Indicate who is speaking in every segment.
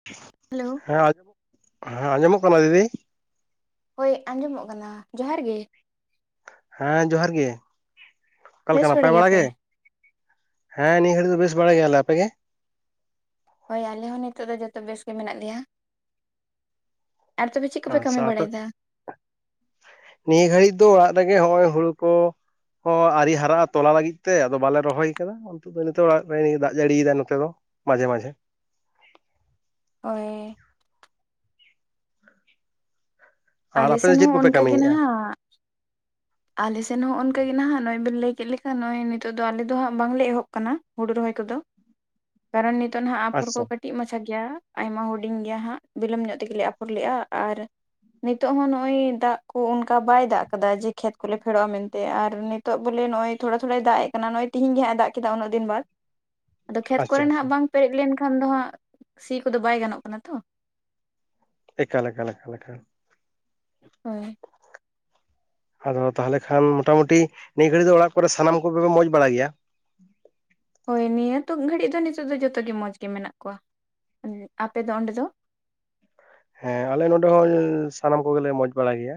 Speaker 1: [inaudible]
Speaker 2: Hello
Speaker 1: ᱦᱮᱸ ᱟᱡ ᱦᱮᱸ ᱟᱸᱡᱚᱢᱚᱜ ᱠᱟᱱᱟ ᱫᱤᱫᱤ
Speaker 2: ᱦᱳᱭ ᱟᱸᱡᱚᱢᱚᱜ ᱠᱟᱱᱟ ᱡᱚᱦᱟᱨ ᱜᱮ᱾
Speaker 1: ᱦᱮᱸ ᱡᱚᱦᱟᱨ ᱜᱮ ᱚᱠᱟ ᱞᱮᱠᱟ
Speaker 2: ᱵᱮᱥ
Speaker 1: ᱱᱟᱯᱟᱭ ᱵᱟᱲᱟ
Speaker 2: ᱜᱮᱭᱟᱯᱮ
Speaker 1: ᱜᱮ ᱾ ᱦᱮᱸ ᱱᱤ ᱦᱟᱹᱞᱤ ᱫᱚ ᱵᱮᱥ ᱵᱟᱲᱟ ᱜᱮᱭᱟᱞᱮ ᱟᱯᱮ ᱜᱮ
Speaker 2: ᱦᱚᱭ ᱟᱞᱮ ᱦᱚᱸ ᱱᱤᱛᱚᱜ ᱫᱚ ᱡᱚᱛᱚ ᱵᱮᱥ ᱜᱮ ᱢᱮᱱᱟᱜ ᱞᱮᱭᱟ ᱟᱨ ᱛᱚᱵᱮ ᱪᱮᱫ ᱠᱚᱯᱮ ᱠᱟᱹᱢᱤ
Speaker 1: ᱟᱪᱷᱟ ᱟᱯᱮ
Speaker 2: ᱵᱟᱲᱟᱭᱮᱫᱟ
Speaker 1: ᱱᱤᱭᱟᱹ ᱜᱷᱟᱹᱲᱤᱡ ᱫᱚ ᱚᱲᱟᱜ ᱨᱮᱜᱮ ᱦᱚᱜᱼᱚᱭ ᱦᱳᱲᱳ ᱠᱚ ᱟᱹᱣᱨᱤ ᱦᱟᱨᱟᱜᱼᱟ ᱛᱚᱞᱟ ᱞᱟᱹᱜᱤᱫ ᱛᱮ ᱟᱫᱚ ᱵᱟᱞᱮ ᱨᱚᱦᱚᱭ ᱟᱠᱟᱫᱟ [unintelligible] ᱱᱤᱛᱚᱜ ᱚᱲᱟᱜ ᱨᱮᱱᱤ ᱫᱟᱜ ᱡᱟᱹᱲᱤ ᱮᱫᱟᱭ ᱱᱚᱛᱮ ᱫᱚ ᱢᱟᱡᱷᱮ ᱢᱟᱡᱷᱮ ᱾
Speaker 2: ᱚᱭ
Speaker 1: ᱟᱨ
Speaker 2: ᱟᱞᱮ
Speaker 1: ᱟᱯᱮ ᱫᱚ
Speaker 2: ᱥᱮᱱ
Speaker 1: ᱪᱮᱫ
Speaker 2: ᱦᱚᱸ
Speaker 1: ᱠᱚᱯᱮ
Speaker 2: ᱚᱱᱠᱟ ᱜᱮ
Speaker 1: ᱠᱟᱹᱢᱤᱭᱮᱫᱼᱟ
Speaker 2: ᱱᱟᱦᱟᱜ ᱾ ᱟᱞᱮ ᱥᱮᱱ ᱦᱚᱸ ᱚᱱᱠᱟ ᱜᱮ ᱱᱟᱦᱟ ᱱᱚᱭ ᱵᱤᱱ ᱞᱟᱹᱭ ᱠᱮᱫ ᱞᱮᱠᱟ ᱱᱚᱭ ᱱᱤᱛᱚᱜ ᱫᱚ ᱟᱞᱮ ᱫᱚ ᱦᱟᱜ ᱵᱟᱝᱞᱮ ᱮᱦᱚᱵ ᱠᱟᱱᱟ ᱾ ᱦᱩᱲᱩ ᱨᱚᱦᱚᱭ ᱠᱚᱫᱚ, ᱠᱟᱨᱚᱱ ᱱᱤᱛᱚᱜ ᱱᱟᱦᱟᱜ ᱟᱯᱚᱨ ᱠᱚ
Speaker 1: ᱟᱪᱪᱷᱟ
Speaker 2: ᱠᱟᱹ ᱴᱤᱡ ᱢᱟᱪᱷᱟ ᱜᱮᱭᱟ ᱟᱭᱢᱟ ᱦᱩᱰᱤᱧ ᱜᱮᱭᱟ ᱦᱟᱸᱜ ᱵᱤᱞᱚᱢ ᱧᱚᱜ ᱛᱮ ᱜᱮᱞᱮ ᱟᱯᱷᱚᱨ ᱞᱮᱜᱼᱟ, ᱟᱨ ᱱᱤᱛᱚᱜ ᱦᱚᱸ ᱱᱚᱜᱼᱚᱭ ᱫᱟᱜ ᱠᱩ ᱚᱱᱠᱟ ᱵᱟᱭ ᱫᱟᱜ ᱠᱟᱫᱟ ᱡᱮ ᱠᱷᱮᱛ ᱠᱚᱞᱮ ᱯᱷᱮᱲᱚᱜᱼᱟ ᱢᱮᱱᱛᱮ ᱟᱨ ᱱᱤᱛᱚᱜ ᱵᱚᱞᱮ ᱱᱚᱜᱼᱚᱭ ᱛᱷᱚᱲᱟ ᱛᱷᱚᱲᱟᱭ ᱫᱟᱜ ᱮ ᱠᱟᱱᱟ ᱱᱚᱜ ᱛᱤᱦᱤᱧ ᱜᱮ ᱦᱟᱸᱜ ᱮ ᱫᱟᱜ ᱠᱮᱫᱟ ᱩᱱᱟᱹᱜ ᱫᱤᱱ ᱵᱟᱫ ᱾ ᱟᱫᱚ ᱠᱷᱮᱛ
Speaker 1: ᱟᱪᱪᱷᱟ
Speaker 2: ᱠᱚᱨᱮ
Speaker 1: ᱟᱪᱪᱷᱟ
Speaker 2: ᱱᱟᱦᱟᱜ ᱵᱟᱝ ᱯᱮᱨᱮᱡ ᱞᱮᱱᱠᱷᱟᱱ ᱫᱚ ᱦᱟᱸᱜ ᱥᱤ ᱠᱚᱫᱚ ᱵᱟᱭ ᱜᱟᱱᱚᱜ ᱠᱟᱱᱟ ᱛᱚ ᱾
Speaker 1: ᱮᱠᱟᱞ ᱮᱠᱟᱞ ᱮᱠᱟᱞ᱾
Speaker 2: ᱦᱳᱭ
Speaker 1: [inaudible] ᱟᱫᱚ ᱛᱟᱦᱚᱞᱮ ᱠᱷᱟᱱ ᱢᱚᱴᱟᱢᱩᱴᱤ ᱱᱤᱭᱟᱹ ᱜᱷᱟᱹᱲᱤᱡ ᱫᱚ ᱚᱲᱟᱜ ᱠᱚᱨᱮ ᱥᱟᱱᱟᱢ ᱠᱚᱜᱮ ᱢᱚᱸᱡᱽ ᱵᱟᱲᱟᱭ ᱜᱮᱭᱟ?
Speaker 2: ᱦᱳᱭ ᱱᱤᱭᱟᱹ ᱛᱩᱠ ᱜᱷᱟᱹᱲᱤᱡ ᱫᱚ ᱱᱤᱛᱚᱜ ᱫᱚ ᱡᱚᱛᱚ ᱜᱮ ᱢᱚᱡᱽ ᱜᱮ ᱢᱮᱱᱟᱜ ᱠᱚᱣᱟ, ᱟᱯᱮ ᱚᱸᱰᱮ ᱫᱚ?
Speaker 1: ᱦᱮᱸ ᱟᱞᱮ ᱱᱚᱰᱮ ᱦᱚᱸ ᱥᱟᱱᱟᱢ ᱠᱚᱜᱮᱞᱮ ᱢᱚᱸᱡᱽ ᱵᱟᱲᱟᱭ ᱜᱮᱭᱟ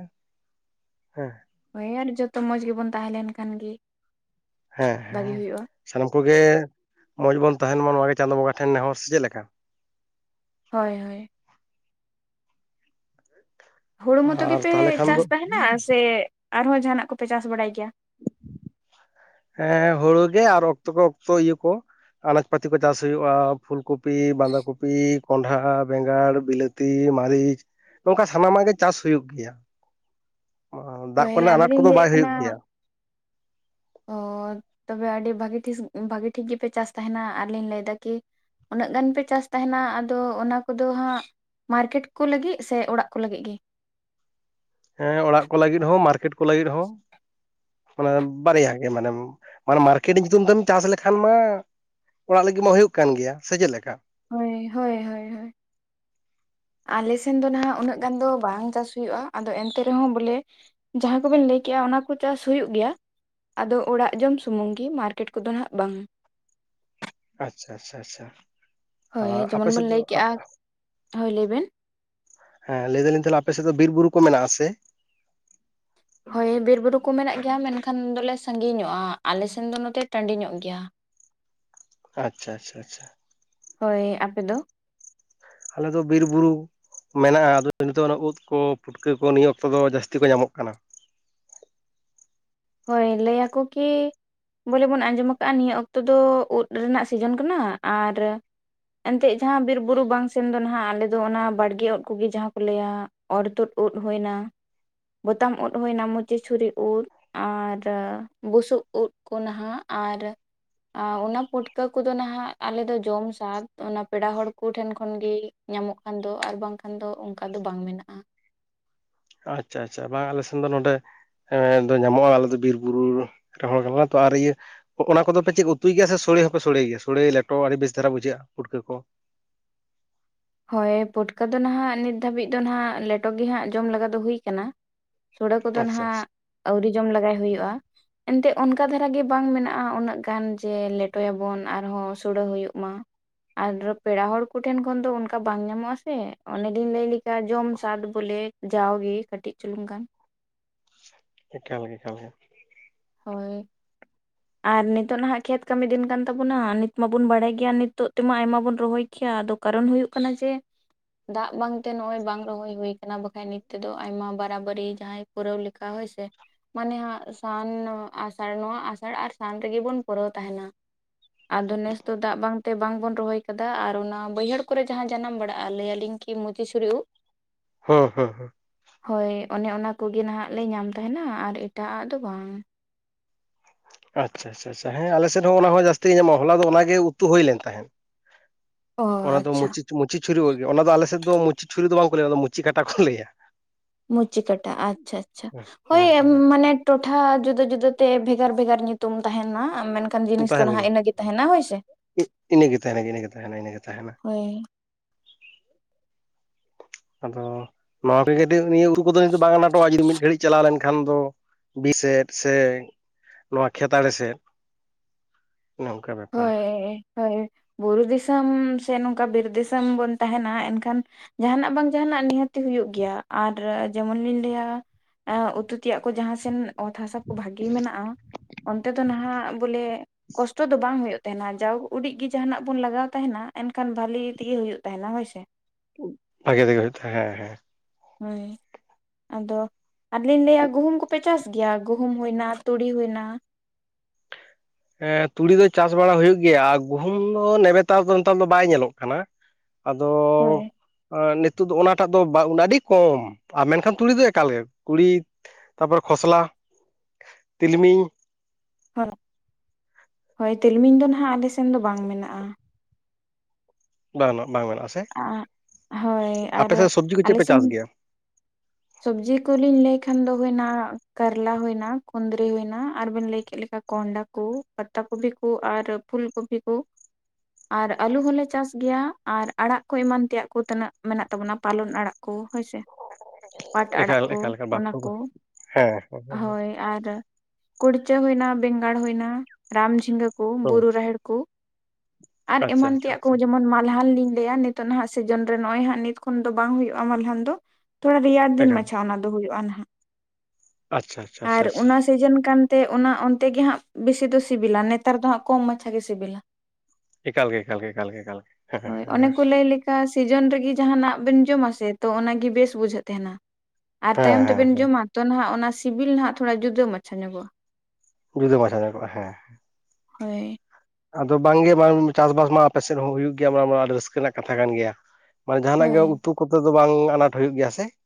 Speaker 1: ᱦᱮᱸ ᱾
Speaker 2: ᱦᱳᱭ ᱟᱨ ᱡᱚᱛᱚ ᱢᱚᱡᱽ ᱜᱮᱵᱚᱱ ᱛᱟᱦᱮᱸ ᱞᱮᱱ ᱠᱷᱟᱱ ᱜᱤ
Speaker 1: ᱦᱮᱸ ᱦᱮᱸ ᱥᱟᱱᱟᱢ ᱠᱚᱜᱮ ᱢᱚᱸᱡᱽ ᱵᱚᱱ ᱛᱟᱦᱮᱱ ᱢᱟ ᱱᱚᱣᱟ ᱜᱮ ᱪᱟᱸᱫᱳ ᱵᱚᱸᱜᱟ ᱴᱷᱮᱱ ᱱᱮᱦᱚᱨ ᱥᱮ ᱪᱮᱜ ᱞᱮᱠᱟ?
Speaker 2: ᱦᱳᱭ ᱦᱳᱭ ᱦᱩᱲᱩ ᱢᱚᱛᱚ
Speaker 1: ᱟᱨ
Speaker 2: ᱜᱮᱯᱮ
Speaker 1: ᱛᱟᱦᱚᱞᱮ ᱠᱷᱟᱱ ᱫᱚ
Speaker 2: ᱪᱟᱥ ᱛᱟᱦᱮᱱᱟ ᱥᱮ ᱟᱨᱦᱚᱸ ᱡᱟᱦᱟᱱᱟᱜ ᱠᱚᱯᱮ ᱪᱟᱥ ᱵᱟᱲᱟᱭ ᱜᱮᱭᱟ?
Speaker 1: ᱦᱮᱸ ᱦᱩᱲᱳ ᱜᱮ ᱟᱨ ᱚᱠᱛᱚ ᱠᱚ ᱚᱠᱛᱚ ᱤᱭᱟᱹ ᱠᱚ ᱾ ᱟᱱᱟᱡ ᱯᱟᱹᱛᱤ ᱠᱚ ᱪᱟᱥ ᱦᱩᱭᱩᱜᱼᱟ ᱯᱷᱩᱞ ᱠᱚᱯᱤ ᱵᱟᱸᱫᱷᱟ ᱠᱚᱯᱤ ᱠᱚᱸᱰᱷᱟ ᱵᱮᱸᱜᱟᱲ ᱵᱤᱞᱟᱹ ᱛᱤ ᱢᱟᱹᱨᱤᱪ ᱱᱚᱝᱠᱟ ᱥᱟᱱᱟᱢᱟᱜ ᱜᱮ ᱪᱟᱥ ᱦᱩᱭᱩᱜ ᱜᱮᱭᱟ᱾ ᱚ ᱫᱟᱜ
Speaker 2: ᱦᱳᱭ
Speaker 1: ᱠᱚᱨᱮᱱᱟᱜ ᱟᱱᱟᱴ
Speaker 2: ᱟᱫᱚᱞᱤᱧ
Speaker 1: ᱠᱚᱫᱚ
Speaker 2: ᱞᱟᱹᱭᱮᱫ
Speaker 1: ᱵᱟᱭ
Speaker 2: ᱠᱟᱱᱟ
Speaker 1: ᱦᱩᱭᱩᱜ ᱜᱮᱭᱟ᱾
Speaker 2: ᱚ ᱛᱚᱵᱮ ᱟᱹᱰᱤ ᱵᱷᱟᱹᱜᱤ ᱴᱷᱤᱥ ᱵᱷᱟᱜᱤ ᱴᱷᱤᱠ ᱜᱮᱯᱮ ᱪᱟᱥ ᱛᱟᱦᱮᱱᱟ ᱟᱨᱞᱤᱧ ᱞᱟᱹᱭ ᱫᱟ ᱠᱤ ᱩᱱᱟᱹᱜ ᱜᱟᱱ ᱯᱮ ᱪᱟᱥ ᱛᱟᱦᱮᱱᱟ ᱟᱫᱚ ᱚᱱᱟ ᱠᱚᱫᱚ ᱦᱟᱸᱜ ᱢᱟᱨᱠᱮᱴ ᱠᱚ ᱞᱟᱹᱜᱤᱫ ᱥᱮ ᱚᱲᱟᱜ ᱠᱚ ᱞᱟᱹᱜᱤᱫ ᱜᱮ?
Speaker 1: ᱦᱮᱸ ᱚᱲᱟᱜ ᱠᱚ ᱞᱟᱹᱜᱤᱫ ᱦᱚᱸ ᱢᱟᱨᱠᱮᱴ ᱠᱚ ᱞᱟᱹᱜᱤᱫ ᱦᱚᱸ᱾ ᱚᱱᱟ ᱵᱟᱨᱭᱟ ᱜᱮ ᱢᱟᱱᱮᱢ ᱢᱟᱱᱮ ᱢᱟᱨᱠᱮᱴ ᱧᱩᱛᱩᱢ ᱛᱮᱢ ᱪᱟᱥ ᱞᱮᱠᱷᱟᱱ ᱢᱟ ᱚᱲᱟᱜ ᱞᱟᱹᱜᱤᱫ ᱢᱟ ᱦᱳᱭᱳᱜ ᱠᱟᱱ ᱜᱮᱭᱟ ᱥᱮ ᱪᱮᱜ ᱞᱮᱠᱟ?
Speaker 2: ᱦᱳᱭ ᱦᱳᱭ ᱦᱳᱭ ᱦᱳᱭ᱾ ᱟᱞᱮ ᱥᱮᱱ ᱫᱚ ᱱᱟᱸᱦᱟᱜ ᱩᱱᱟᱹᱜ ᱜᱟᱱ ᱫᱚ ᱵᱟᱝ ᱪᱟᱥ ᱦᱩᱭᱩᱜᱼᱟ ᱟᱫᱚ ᱮᱱᱛᱮ ᱨᱮᱦᱚᱸ ᱵᱚᱞᱮ ᱡᱟᱦᱟᱸ ᱠᱚᱵᱮᱱ ᱞᱟᱹᱭᱠᱮᱜᱼᱟ ᱚᱱᱟ ᱠᱚ ᱪᱟᱥ ᱦᱳᱭᱳᱜ ᱜᱮᱭᱟ᱾ ᱟᱫᱚ ᱚᱲᱟᱜ ᱡᱚᱢ ᱥᱩᱢᱩᱝ ᱜᱮ ᱢᱟᱨᱠᱮᱴ ᱠᱚᱫᱚ ᱦᱟᱸᱜ ᱵᱟᱝ᱾
Speaker 1: ᱟᱪᱪᱷᱟ ᱟᱪᱪᱷᱟ ᱟᱪᱪᱷᱟ
Speaker 2: ᱦᱳᱭ
Speaker 1: ᱟᱯᱮ
Speaker 2: ᱡᱮᱢᱚᱱ
Speaker 1: ᱥᱮᱫ
Speaker 2: ᱵᱚᱱ
Speaker 1: ᱫᱚ
Speaker 2: ᱞᱟᱹᱭ
Speaker 1: ᱟᱜ
Speaker 2: ᱠᱮᱜᱼᱟ ᱦᱳᱭ ᱞᱟᱹᱭ ᱵᱮᱱ
Speaker 1: ᱦᱮᱸ ᱞᱟᱹᱭ ᱫᱟᱞᱤᱧ ᱛᱟᱦᱚᱞᱮ ᱟᱯᱮ ᱥᱮᱫ ᱫᱚ ᱵᱤᱨ ᱵᱩᱨᱩ ᱠᱚ ᱢᱮᱱᱟᱜᱼᱟ ᱥᱮ?
Speaker 2: ᱦᱳᱭ ᱵᱤᱨ ᱵᱩᱨᱩ ᱠᱚ ᱢᱮᱱᱟᱜ ᱜᱮᱭᱟ ᱢᱮᱱᱠᱷᱟᱱ ᱫᱚᱞᱮ ᱥᱟᱺᱜᱤᱧᱚᱜᱼᱟ, ᱟᱞᱮ ᱥᱮᱱ ᱫᱚ ᱱᱚᱛᱮ ᱴᱟᱺᱰᱤ ᱧᱚᱜ ᱜᱮᱭᱟ᱾
Speaker 1: ᱟᱪᱪᱷᱟ ᱟᱪᱪᱷᱟ ᱟᱪᱪᱷᱟ᱾
Speaker 2: ᱦᱳᱭ ᱟᱯᱮ ᱫᱚ?
Speaker 1: ᱟᱞᱮ ᱫᱚ ᱵᱤᱨ ᱵᱩᱨᱩ ᱢᱮᱱᱟᱜᱼᱟ ᱟᱫᱚ ᱱᱤᱛᱚᱜ ᱩᱫ ᱠᱚ ᱯᱷᱩᱴᱠᱟᱹ ᱠᱚ ᱱᱤᱭᱟᱹ ᱚᱠᱛᱚ ᱫᱚ ᱡᱟᱹᱥᱛᱤ ᱠᱚ ᱧᱟᱢᱚᱜ ᱠᱟᱱᱟ᱾
Speaker 2: ᱦᱳᱭ ᱞᱟᱹᱭ ᱟᱠᱚ ᱠᱤ ᱵᱚᱞᱮ ᱵᱚᱱ ᱟᱸᱡᱚᱢ ᱠᱟᱜᱼᱟ ᱱᱤᱭᱟᱹ ᱚᱠᱛᱚ ᱫᱚ ᱩᱫ ᱨᱮᱱᱟᱜ ᱥᱤᱡᱚᱱ ᱠᱟᱱᱟ ᱟᱨ ᱮᱱᱛᱮᱫ ᱡᱟᱦᱟᱸ ᱵᱤᱨ ᱵᱩᱨᱩ ᱵᱟᱝ ᱥᱮᱱ ᱫᱚ ᱱᱟᱦᱟᱜ ᱟᱞᱮᱫᱚ ᱚᱱᱟ ᱵᱟᱲᱜᱮ ᱚᱜ ᱠᱚᱜᱮ ᱡᱟᱦᱟᱸ ᱠᱚ ᱞᱟᱹᱭᱟ ᱾ ᱚᱨ ᱛᱩᱫ ᱩᱫᱽ ᱦᱩᱭᱱᱟ ᱵᱚᱛᱟᱢ ᱩᱫᱽ ᱦᱩᱭᱱᱟ ᱢᱩᱪᱷᱚ ᱪᱷᱩᱨᱤ ᱩᱫᱽ᱾ ᱟᱨ ᱵᱩᱥᱩᱵ ᱩᱫᱽ ᱠᱚ ᱱᱟᱦᱟᱸᱜ ᱟᱨ ᱟᱨ ᱚᱱᱟ ᱯᱩᱴᱠᱟᱹ ᱠᱚᱫᱚ ᱱᱟᱦᱟᱸᱜ ᱟᱞᱮ ᱫᱚ ᱡᱚᱢ ᱥᱟᱫ ᱚᱱᱟ ᱯᱮᱲᱟ ᱦᱚᱲ ᱠᱚ ᱴᱷᱮᱱ ᱠᱷᱚᱱ ᱜᱤ ᱧᱟᱢᱚᱜ ᱠᱷᱟᱱ ᱫᱚ, ᱟᱨ ᱵᱟᱝᱠᱷᱟᱱ ᱫᱚ ᱚᱱᱠᱟ ᱫᱚ ᱵᱟᱝ ᱢᱮᱱᱟᱜᱼᱟ᱾
Speaker 1: ᱟᱪᱪᱷᱟ ᱟᱪᱪᱷᱟ ᱵᱟᱝ ᱟᱞᱮ ᱥᱮᱱ ᱫᱚ ᱱᱚᱰᱮ ᱦᱮᱸ ᱧᱟᱢᱚᱜᱼᱟ ᱟᱞᱮ ᱫᱚ ᱵᱤᱨ ᱵᱩᱨᱩ ᱴᱟᱢ ᱠᱟᱱᱟ ᱛᱚ ᱟᱨ ᱤᱭᱟᱹ ᱚᱱᱟ ᱠᱚᱫᱚ ᱯᱮ ᱪᱮᱫ ᱩᱛᱩᱭ ᱜᱮᱭᱟ ᱥᱮ ᱥᱚᱲᱮ ᱦᱚᱸᱯᱮ ᱥᱚᱲᱮ ᱜᱮᱭᱟ ᱥᱚᱲᱮ ᱞᱮᱴᱚ ᱟᱹᱰᱤ ᱵᱮᱥ ᱪᱮᱦᱟᱨᱟ ᱵᱩᱡᱷᱟᱹᱜᱼᱟ ᱯᱩᱲᱠᱟᱹ ᱠᱚ᱾
Speaker 2: ᱦᱳᱭ ᱯᱩᱴᱠᱟᱹ ᱫᱚ ᱱᱟᱦᱟᱸᱜ ᱱᱤᱛ ᱫᱷᱟᱹᱵᱤᱡ ᱫᱚ ᱱᱟᱦᱟᱸᱜ ᱞᱮᱴᱚ ᱜᱮ ᱦᱟᱸᱜ ᱡᱚᱢ ᱞᱟᱜᱟ ᱫᱚ ᱦᱩᱭ ᱠᱟᱱᱟ ᱥᱳᱲᱮ ᱠᱚᱫᱚ
Speaker 1: ᱟᱪᱪᱷᱟ
Speaker 2: ᱱᱟᱦᱟᱸᱜ ᱟᱹᱣᱨᱤ ᱡᱚᱢ ᱞᱟᱜᱟᱭ ᱦᱩᱭᱩᱜᱼᱟ᱾ ᱮᱱᱛᱮ ᱚᱱᱠᱟ ᱫᱷᱟᱨᱟ ᱜᱮ ᱵᱟᱝ ᱢᱮᱱᱟᱜᱼᱟ ᱩᱱᱟᱹᱜ ᱜᱟᱱ ᱡᱮ ᱞᱮᱴᱚᱭᱟᱵᱚᱱ ᱟᱨᱦᱚᱸ ᱥᱩᱲᱟᱹ ᱦᱩᱭᱩᱜ ᱢᱟ ᱟᱨ ᱯᱮᱲᱟ ᱦᱚᱲ ᱠᱚ ᱴᱷᱮᱱ ᱠᱷᱚᱱ ᱫᱚ ᱚᱱ ᱠᱟ ᱵᱟᱝ ᱧᱟᱢᱚᱜᱼᱟ ᱥᱮ ᱚᱱᱮ ᱞᱤᱧ ᱞᱟᱹᱭ ᱞᱮᱠᱷᱟ ᱡᱚᱢ ᱥᱟᱫ ᱵᱚᱞᱮ ᱡᱟᱣᱜᱮ ᱠᱟᱹᱴᱤᱡ ᱪᱩᱞᱩᱝ ᱜᱟᱱ
Speaker 1: ᱮᱠᱟᱞ ᱜᱮ ᱮᱠᱟᱞ ᱜᱮ᱾
Speaker 2: ᱦᱳᱭ ᱟᱨ ᱱᱤᱛᱚᱜ ᱱᱟᱦᱟᱸᱜ ᱠᱷᱮᱛ ᱠᱟᱹᱢᱤ ᱫᱤᱱ ᱠᱟᱱ ᱛᱟᱵᱚᱱᱟ ᱱᱤᱛ ᱢᱟᱵᱚᱱ ᱵᱟᱲᱟᱭ ᱜᱮᱭᱟ ᱱᱤᱛᱚᱜ ᱛᱮᱢᱟ ᱟᱭᱢᱟ ᱵᱚᱱ ᱨᱚᱦᱚᱭ ᱠᱮᱭᱟ ᱟᱫᱚ ᱠᱟᱨᱚᱱ ᱦᱩᱭᱩᱜ ᱠᱟᱱᱟ ᱡᱮ ᱫᱟᱜ ᱵᱟᱝᱛᱮ ᱱᱚᱜ-ᱚᱭ ᱵᱟᱝ ᱨᱚᱦᱚᱭ ᱦᱩᱭ ᱠᱟᱱᱟ ᱵᱟᱠᱷᱟᱡ ᱱᱤᱛ ᱛᱮᱫᱚ ᱟᱭᱢᱟ ᱵᱟᱨᱟᱵᱟᱹᱨᱤ ᱡᱟᱦᱟᱸᱭ ᱯᱩᱨᱟᱹᱣ ᱞᱮᱠᱷᱟ, ᱦᱳᱭ ᱥᱮ ᱢᱟᱱᱮ ᱥᱟᱱ ᱟᱥᱟᱲ ᱱᱚᱣᱟ ᱟᱥᱟ ᱟᱥᱟᱲ ᱟᱨ ᱥᱟᱱ ᱨᱮᱜᱮ ᱵᱚᱱ ᱯᱩᱨᱟᱹᱣ ᱛᱟᱦᱮᱱᱟ᱾ ᱟᱫᱚ ᱱᱮᱥ ᱫᱚ ᱫᱟᱜ ᱵᱟᱝᱛᱮ ᱵᱟᱝ ᱵᱚᱱ ᱨᱚᱦᱚᱭ ᱠᱟᱫᱟ ᱟᱨ ᱚᱱᱟ ᱵᱟᱹᱭᱦᱟᱹᱲ ᱠᱚᱨᱮ ᱡᱟᱦᱟᱸ ᱡᱟᱱᱟᱢ ᱵᱟᱲᱟᱜᱼᱟ ᱞᱟᱹᱭᱟᱹᱞᱤᱧ ᱠᱩ ᱢᱤᱪᱷᱤᱞ ᱪᱷᱩᱨᱤ [unintelligible]
Speaker 1: ᱦᱩᱸ ᱦᱩᱸ ᱦᱩᱸ
Speaker 2: ᱦᱳᱭ ᱚᱱᱮ ᱚᱱᱟ ᱠᱚᱜᱮ ᱱᱟᱦᱟᱸᱜ ᱞᱮ ᱧᱟᱢ ᱛᱟᱦᱮᱱᱟ ᱟᱨ ᱮᱴᱟᱜᱼᱟᱜ ᱫᱚ ᱵᱟᱝ
Speaker 1: ᱟᱪᱪᱷᱟ ᱟᱪᱪᱷᱟ-ᱪᱷᱟ-ᱪᱷᱟ ᱦᱮᱸ ᱟᱞᱮ ᱥᱮᱫ ᱦᱚᱸ ᱚᱱᱟ ᱦᱚᱸ ᱡᱟᱹᱥᱛᱤ ᱜᱮ ᱧᱟᱢᱚᱜ-ᱟ ᱦᱚᱞᱟ ᱫᱚ ᱚᱱᱟᱜ ᱜᱮ ᱩᱛᱩ ᱦᱩᱭᱞᱮᱱ ᱛᱟᱦᱮᱸᱫ
Speaker 2: ᱚ
Speaker 1: ᱚᱱᱟ ᱫᱚ
Speaker 2: ᱟᱪᱪᱷᱟ
Speaker 1: ᱢᱩᱪᱷᱤ ᱢᱩᱪᱷᱤ ᱪᱷᱩᱨᱤ ᱜᱮ ᱚᱱᱟ ᱫᱚ ᱟᱞᱮ ᱥᱮᱫ ᱫᱚ ᱢᱩᱪᱷᱤ ᱪᱷᱩᱨᱤ ᱫᱚ ᱵᱟᱝᱠᱚ ᱞᱟᱹᱭᱟ ᱚᱱᱟ ᱢᱩᱪᱷᱤ ᱠᱟᱴᱟ ᱠᱚ ᱞᱟᱹᱭᱟ
Speaker 2: ᱢᱩᱪᱷᱤ ᱠᱟᱴᱟ ᱟᱪᱪᱷᱟ ᱟᱪᱪᱷᱟ
Speaker 1: ᱦᱮᱸ
Speaker 2: ᱦᱳᱭ
Speaker 1: ᱦᱮᱸ
Speaker 2: ᱢᱟᱱᱮ ᱴᱚᱴᱷᱟ ᱡᱩᱫᱟᱹ ᱡᱩᱫᱟᱹᱛᱮ ᱵᱷᱮᱜᱟᱨ ᱵᱷᱮᱜᱟᱨ ᱧᱩᱛᱩᱢ ᱛᱟᱦᱮᱱᱟ ᱢᱮᱱ ᱠᱷᱟᱱ
Speaker 1: ᱦᱮᱸ,
Speaker 2: ᱡᱤᱱᱤᱥ ᱫᱚ
Speaker 1: ᱛᱟᱦᱮᱱ
Speaker 2: ᱱᱟᱦᱟᱸᱜ
Speaker 1: ᱜᱮᱭᱟ
Speaker 2: ᱤᱱᱟᱹᱜ ᱜᱮ ᱛᱟᱦᱮᱱᱟ ᱦᱳᱭ ᱥᱮ [inaudible]
Speaker 1: ᱤᱱᱟᱹᱜᱮ ᱛᱟᱦᱮᱱᱟ ᱤᱱᱟᱹᱜᱮ ᱛᱟᱦᱮᱱᱟ ᱤᱱᱟᱹᱜᱮ ᱛᱟᱦᱮᱱᱟ
Speaker 2: ᱦᱳᱭ
Speaker 1: ᱟᱫᱚ ᱱᱚᱣᱟ [unintelligible] ᱱᱤᱭᱟᱹ ᱩᱛᱩ ᱠᱚᱫᱚ ᱫᱚ ᱵᱟᱝ ᱟᱱᱟᱴᱚᱜᱼᱟ ᱡᱩᱫᱤ ᱢᱤᱫ ᱜᱷᱟᱹᱲᱤᱡ ᱪᱟᱞᱟᱣ ᱞᱮᱱᱠᱷᱟᱱ ᱫᱚ ᱵᱤᱨ ᱥᱮᱫ ᱥᱮ ᱱᱚᱣᱟ ᱠᱷᱮᱛ ᱟᱲᱮ ᱥᱮᱫ ᱚᱱᱮ ᱚᱝᱠᱟ ᱵᱮᱯᱟᱨ᱾
Speaker 2: ᱦᱮᱸ ᱦᱳᱭ ᱵᱩᱨᱩ ᱫᱤᱥᱟᱹᱢ ᱥᱮ ᱱᱚᱝᱠᱟ ᱵᱤᱨ ᱫᱤᱥᱟᱹᱢ ᱵᱚᱱ ᱛᱟᱦᱮᱱᱟ ᱮᱱᱠᱷᱟᱱ ᱡᱟᱦᱟᱸᱱᱟᱜ ᱵᱟᱝ ᱡᱟᱦᱟᱸᱱᱟᱜ ᱱᱤᱦᱟᱹᱛᱤ ᱦᱩᱭᱩᱜ ᱜᱮᱭᱟ ᱟᱨ ᱡᱮᱢᱚᱱ ᱞᱤᱧ ᱞᱟᱹᱭᱟ ᱩᱛᱩ ᱛᱮᱭᱟᱜ ᱠᱚ ᱡᱟᱦᱟᱸ ᱥᱮᱱ ᱚᱛ ᱦᱟᱥᱟ ᱠᱚ ᱵᱷᱟᱜᱮ ᱢᱮᱱᱟᱜᱼᱟ ᱚᱱᱛᱮ ᱫᱚ ᱱᱟᱦᱟᱸᱜ ᱵᱚᱞᱮ ᱠᱚᱥᱴᱚ ᱫᱚ ᱵᱟᱝ ᱦᱩᱭᱩᱜ ᱛᱟᱦᱮᱱᱟ ᱡᱟᱣ ᱩᱰᱤᱡ ᱜᱮ ᱡᱟᱦᱟᱸᱱᱟᱜ ᱵᱚᱱ ᱞᱟᱜᱟᱣ ᱛᱟᱦᱮᱱᱟ ᱮᱱᱠᱷᱟᱱ ᱵᱷᱟᱞᱤ ᱛᱮᱜᱮ ᱦᱩᱭᱩᱜ ᱛᱟᱦᱮᱱᱟ ᱦᱳᱭ ᱥᱮ
Speaker 1: ᱵᱷᱟᱜᱮ ᱛᱮᱜᱮ ᱦᱩᱭᱩᱜ ᱛᱟᱦᱮᱸᱜ ᱦᱮᱸ ᱦᱮᱸ
Speaker 2: ᱦᱳᱭ ᱟᱫᱚ ᱟᱨᱞᱤᱧ ᱞᱟᱹᱭᱟ ᱜᱩᱦᱩᱢ ᱠᱚᱯᱮ ᱪᱟᱥ ᱜᱮᱭᱟ ᱜᱩᱦᱩᱢ ᱦᱩᱭᱱᱟ ᱛᱩᱲᱤ ᱦᱩᱭᱱᱟ
Speaker 1: ᱦᱮᱸ ᱛᱩᱲᱤ ᱫᱚ ᱪᱟᱥ ᱵᱟᱲᱟ ᱜᱮᱭᱟ ᱟᱨ ᱜᱩᱦᱩᱢ ᱫᱚ ᱱᱮᱵᱮᱛᱟᱨ ᱫᱚ ᱱᱮᱛᱟᱨ ᱫᱚ ᱵᱟᱭ ᱧᱮᱞᱚᱜ ᱠᱟᱱᱟ ᱟᱫᱚ
Speaker 2: ᱦᱳᱭ
Speaker 1: ᱻ ᱱᱤᱛᱳ ᱫᱚ ᱚᱱᱟᱴᱟᱜ ᱫᱚ ᱟᱹᱰᱤ ᱠᱚᱢ ᱢᱮᱱᱠᱷᱟᱱ ᱛᱩᱲᱤ ᱫᱚ ᱮᱠᱟᱞᱜᱮ ᱛᱩᱲᱤ ᱾ ᱛᱟᱯᱚᱨ ᱠᱷᱚᱥᱞᱟ, ᱛᱤᱞᱢᱤᱧ ᱾
Speaker 2: ᱦᱳᱭ ᱛᱤᱞᱢᱤᱧ ᱫᱚ ᱱᱟᱦᱟᱜ ᱟᱞᱮ ᱥᱮᱱ ᱫᱚ ᱵᱟᱝ ᱢᱮᱱᱟᱜᱼᱟ ᱾
Speaker 1: ᱵᱟᱝ ᱵᱟᱝ ᱢᱮᱱᱟᱜ-ᱟ ᱥᱮ
Speaker 2: ᱟ ᱦᱳᱭ
Speaker 1: ᱟᱯᱮ
Speaker 2: ᱟᱨ
Speaker 1: ᱥᱮᱫ ᱥᱚᱵᱽᱡᱤ ᱠᱚ ᱪᱮᱫ ᱯᱮ
Speaker 2: ᱟᱞᱮᱥᱮᱱ
Speaker 1: ᱪᱟᱥ ᱜᱮᱭᱟ ᱾
Speaker 2: ᱥᱚᱵᱽᱡᱤ ᱠᱚᱞᱤᱧ ᱞᱟᱹᱭ ᱠᱷᱟᱱ ᱫᱚ ᱦᱩᱭᱱᱟ ᱠᱟᱨᱞᱟ ᱦᱩᱭᱱᱟ ᱠᱷᱩᱸᱫᱽᱨᱤ ᱦᱩᱭᱱᱟ ᱟᱨ ᱵᱮᱱ ᱞᱟᱹᱭ ᱠᱮᱫ ᱞᱮᱠᱟ ᱠᱚᱸᱦᱰᱟ ᱾ ᱠᱩ ᱯᱟᱛᱟ ᱠᱚᱯᱤ ᱠᱩ ᱟᱨ ᱯᱷᱩᱞ ᱠᱚᱯᱤ ᱠᱩ᱾ ᱟᱨ ᱟᱹᱞᱩ ᱦᱚᱸᱞᱮ ᱪᱟᱥ ᱜᱮᱭᱟ ᱟᱨ ᱾ ᱟᱲᱟᱜ ᱠᱚ ᱮᱢᱟᱱ ᱛᱮᱭᱟᱜ ᱠᱚ ᱛᱮᱱᱟᱹᱜ ᱢᱮᱱᱟᱜ ᱛᱟᱵᱚᱱᱟ ᱯᱟᱞᱚᱱ ᱟᱲᱟᱜ ᱠᱚ ᱦᱳᱭᱥᱮ ᱾ ᱯᱟᱴ ᱟᱲᱟᱜ
Speaker 1: ᱮᱠᱟᱞ
Speaker 2: ᱠᱚ
Speaker 1: ᱮᱠᱟᱞ ᱮᱠᱟᱞ ᱵᱟᱝ
Speaker 2: ᱚᱱᱟ ᱠᱚ
Speaker 1: ᱦᱮᱸ ᱦᱮᱸ
Speaker 2: ᱦᱳᱭ ᱟᱨ ᱠᱩᱲᱪᱟᱹ ᱦᱩᱭᱱᱟ ᱵᱮᱸᱜᱟᱲ ᱦᱩᱭᱱᱟ ᱨᱟᱢᱡᱷᱤᱸᱜᱟᱹ ᱠᱚ ᱵᱩᱨᱩ ᱨᱟᱦᱮᱲ ᱠᱚ ᱾ ᱟᱨ
Speaker 1: ᱟᱪᱪᱷᱟ
Speaker 2: ᱮᱢᱟᱱ
Speaker 1: ᱟᱪᱪᱷᱟ
Speaker 2: ᱛᱮᱭᱟᱜ ᱠᱚ
Speaker 1: ᱟᱪᱪᱷᱟ
Speaker 2: ᱡᱮᱢᱚᱱ ᱢᱟᱞᱦᱱ ᱞᱤᱧ ᱞᱟᱹᱭᱟ ᱱᱤᱛ ᱛᱚ ᱱᱟᱦᱟᱜ ᱥᱤᱡᱚᱱ ᱨᱮ ᱱᱚᱜᱼᱚᱭ ᱦᱟᱸᱜ ᱱᱤᱛ ᱠᱷᱚᱱ ᱫᱚ ᱵᱟᱝ ᱦᱩᱭᱩᱜᱼᱟ ᱢᱟᱞᱦᱟᱱ ᱫᱚ ᱾ ᱛᱷᱚᱲᱟ ᱨᱮᱭᱟᱲ ᱫᱤᱱ
Speaker 1: ᱮᱠᱟᱞ
Speaker 2: ᱢᱟᱪᱷᱟ ᱚᱱᱟ ᱫᱚ ᱦᱩᱭᱩᱜᱼᱟ ᱱᱟᱦᱟᱜ
Speaker 1: ᱟᱪᱪᱷᱟ ᱟᱪᱪᱷᱟ
Speaker 2: ᱟᱨ
Speaker 1: ᱟᱪᱪᱷᱟ
Speaker 2: ᱚᱱᱟ ᱥᱤᱡᱮᱱ ᱠᱟᱱ ᱛᱮ ᱚᱱᱟ ᱚᱱᱛᱮ ᱜᱮ ᱦᱟᱸᱜ ᱵᱮᱥᱤ ᱫᱚ ᱥᱤᱵᱤᱞᱟ ᱱᱮᱛᱟᱨ ᱫᱚ ᱦᱟᱸᱜ ᱠᱚᱢ ᱢᱟᱪᱷᱟ ᱜᱮ ᱥᱤᱵᱤᱞᱟ ᱾
Speaker 1: ᱮᱠᱟᱞ ᱜᱮ ᱮᱠᱟᱞ ᱜᱮ ᱮᱠᱟᱞ ᱜᱮ ᱮᱠᱟᱞ ᱜᱮ ᱾
Speaker 2: ᱦᱳᱭ ᱚᱱᱮ ᱠᱚ ᱞᱟᱹᱭ ᱞᱮᱠᱟ ᱥᱤᱡᱚᱱ ᱨᱮᱜᱮ ᱡᱟᱦᱟᱱᱟᱜ ᱵᱮᱱ ᱡᱚᱢ ᱟᱥᱮ ᱛᱚ ᱚᱱᱟ ᱜᱮ ᱵᱮᱥ ᱵᱩᱡᱷᱟᱹᱜ ᱛᱟᱦᱮᱱᱟ ᱾ ᱟᱨ
Speaker 1: ᱦᱮᱸ
Speaker 2: ᱛᱟᱭᱚᱢ
Speaker 1: ᱦᱮᱸ
Speaker 2: ᱛᱮᱵᱮᱱ
Speaker 1: ᱦᱮᱸ
Speaker 2: ᱡᱚᱢᱟ ᱛᱚ ᱱᱟᱦᱟᱜ ᱚᱱᱟ ᱥᱤᱵᱤᱞ ᱱᱟᱦᱟᱜ ᱛᱷᱚᱲᱟ ᱡᱩᱫᱟᱹ ᱢᱟᱪᱷᱟ ᱧᱚᱜᱚᱜᱼᱟ ᱾
Speaker 1: ᱡᱩᱫᱤ [unintelligible] ᱠᱚᱼᱟ ᱦᱮᱸ᱾
Speaker 2: ᱦᱳᱻᱭ ᱾
Speaker 1: ᱟᱫᱚ ᱵᱟᱝᱜᱮ ᱵᱟᱝ ᱪᱟᱥᱼᱵᱟᱥ ᱢᱟ ᱟᱯᱮ ᱥᱮᱫ ᱦᱚᱸ ᱦᱩᱭᱩᱜ ᱜᱮᱭᱟ ᱱᱚᱣᱟ ᱢᱟ ᱟᱹᱰᱤ ᱨᱟᱹᱥᱠᱟᱹ ᱨᱮᱭᱟᱜ ᱠᱟᱛᱷᱟ ᱠᱟᱱ ᱜᱮᱭᱟ ᱾ [unintelligible] ᱡᱟᱦᱟᱸᱱᱟᱜ ᱜᱮ
Speaker 2: ᱦᱳᱭ
Speaker 1: ᱩᱛᱩ ᱠᱚᱛᱮ ᱫᱚ ᱵᱟᱝ ᱟᱱᱟᱴ ᱦᱩᱭᱩᱜ ᱜᱮᱭᱟ ᱥᱮ ᱾